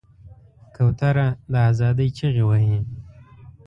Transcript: کوتره د آزادۍ چیغې وهي.